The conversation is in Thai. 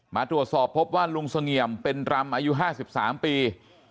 มาตรวจสอบพบว่าลุงเสงี่ยมเป็นรำอายุ๕๓ปี